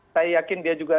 saya yakin dia juga